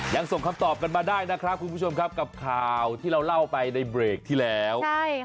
ยังส่งคำตอบกันมาได้นะครับคุณผู้ชมครับกับข่าวที่เราเล่าไปในเบรกที่แล้ว